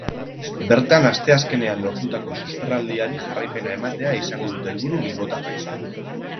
Bertan asteazkenean lortutako susperraldiari jarraipena ematea izango dute helburu bilbotarrek.